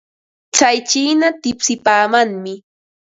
Tsay chiina tipsipaamanmi.